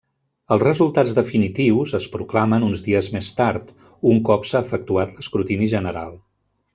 Els resultats definitius es proclamen uns dies més tard, un cop s'ha efectuat l'escrutini general.